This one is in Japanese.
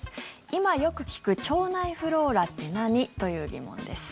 今よく聞く腸内フローラって何？という疑問です。